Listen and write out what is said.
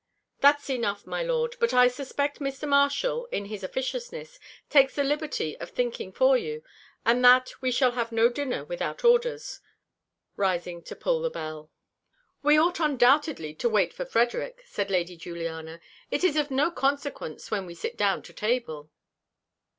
"That's enough, my Lord; but I suspect Mr. Marshall, in his officiousness, takes the liberty of thinking for you, and that we shall have no dinner without orders," rising to pull the bell. "We ought undoubtedly to wait for Frederick," said Lady Juliana; "it is of no consequence when we sit down to table."